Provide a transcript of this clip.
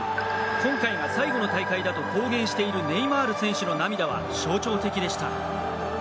今回が最後の大会だと公言しているネイマール選手の涙は象徴的でした。